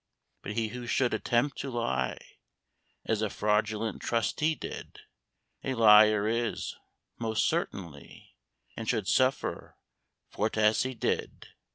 But he who should attempt to lie As a Fraudulent Trustee did, A liar is, most certainly, And should suffer for't as he did.